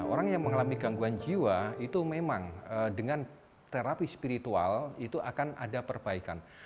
orang yang mengalami gangguan jiwa dengan terapi spiritual akan ada perbaikan